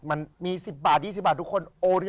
มันมี๑๐บาท๒๐บาททุกคน